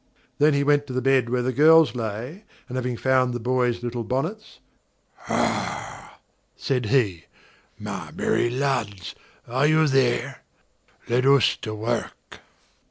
Then he went to the bed where the girls lay; and having found the boys' little bonnets: "Hah!" said he, "my merry lads, are you there? Let us to work!"